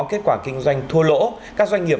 kết quả kinh doanh thua lỗ các doanh nghiệp